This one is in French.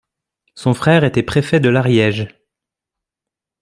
Son frère était préfet de l'Ariège.